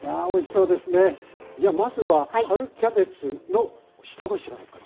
じゃあまずは春キャベツの下ごしらえから。